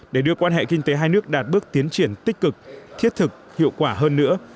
để đưa quan hệ kinh tế hai nước đạt bước tiến triển tích cực thiết thực hiệu quả hơn nữa